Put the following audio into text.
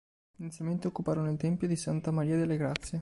Inizialmente, occuparono il tempio di Santa Maria delle Grazie.